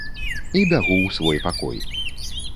І бягу ў свой пакой.